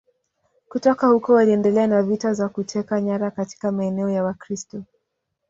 Kutoka huko waliendelea na vita za kuteka nyara katika maeneo ya Wakristo.